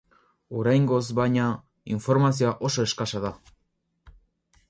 Oraingoz, baina, informazioa oso eskasa da.